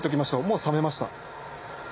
もう冷めました。